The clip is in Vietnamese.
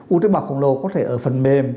u thế bào khổng lồ có thể ở phần mềm